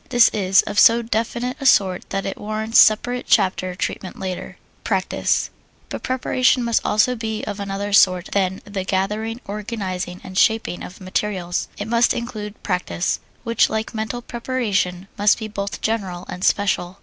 This is of so definite a sort that it warrants separate chapter treatment later. Practise But preparation must also be of another sort than the gathering, organizing, and shaping of materials it must include practise, which, like mental preparation, must be both general and special.